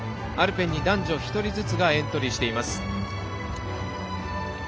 アルペンに男女１人ずつがエントリーしています。